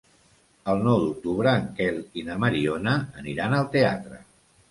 El nou d'octubre en Quel i na Mariona aniran al teatre.